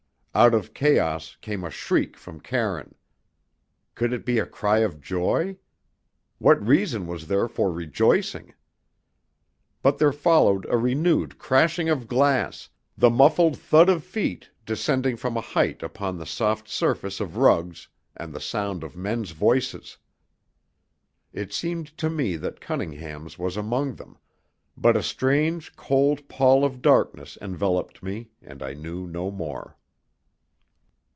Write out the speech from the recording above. Out of chaos came a shriek from Karine. Could it be a cry of joy? What reason was there for rejoicing? But there followed a renewed crashing of glass, the muffled thud of feet descending from a height upon the soft surface of rugs, and the sound of men's voices. It seemed to me that Cunningham's was among them, but a strange, cold pall of darkness enveloped me, and I knew no more.